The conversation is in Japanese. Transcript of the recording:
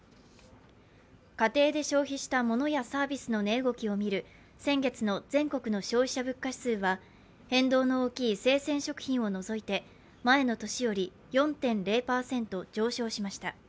家庭で消費したものやサービスの値動きを見る先月の全国の消費者物価指数は、変動の大きい生鮮食品を除いて、前の年より４．０％上昇しました。